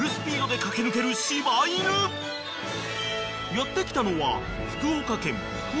［やって来たのは］